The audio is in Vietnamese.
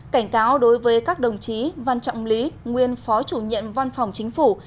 cảnh cáo đối với các đồng chí văn trọng lý nguyên phó chủ nhiệm văn phòng chính phủ